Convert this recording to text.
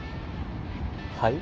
はい？